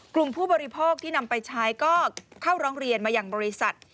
ผู้บริโภคที่นำไปใช้ก็เข้าร้องเรียนมาอย่างบริษัท